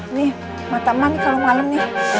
ini mata emak nih kalau malam